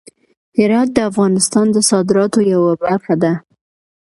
هرات د افغانستان د صادراتو یوه برخه ده.